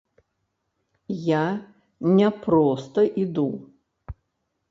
Я не проста іду.